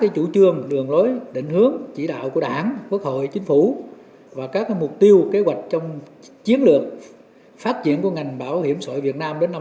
chủ trương đường lối định hướng chỉ đạo của đảng quốc hội chính phủ và các mục tiêu kế hoạch trong chiến lược phát triển của ngành bảo hiểm xã hội việt nam đến năm hai nghìn ba mươi